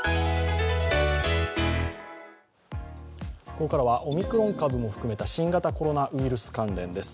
ここからはオミクロン株も含めた新型コロナウイルス関連です。